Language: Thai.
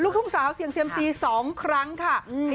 ทุ่งสาวเสี่ยงเซียมซี๒ครั้งค่ะ